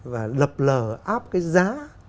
và lập lờ áp cái giá